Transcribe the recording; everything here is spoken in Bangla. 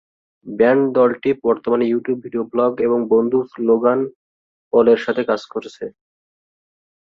ব্যান্ড দলটি বর্তমানে ইউটিউব ভিডিও ব্লগ এবং বন্ধু, লোগান পলের সাথে কাজ করছে।